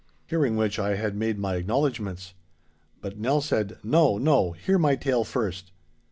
Hearing which, I had made my acknowledgments. But Nell said, 'No, no; hear my tale first.